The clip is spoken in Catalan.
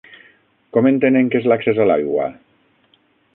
Com entenen que és l'accés a l'aigua?